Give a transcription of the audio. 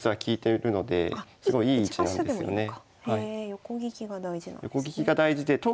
横利きが大事なんですね。